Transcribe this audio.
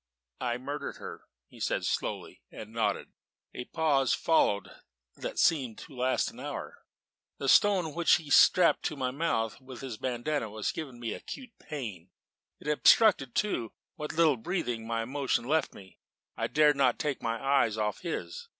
"I murdered her," he said slowly, and nodded. A pause followed that seemed to last an hour. The stone which he had strapped in my mouth with his bandanna was giving me acute pain; it obstructed, too, what little breathing my emotion left me; and I dared not take my eyes off his.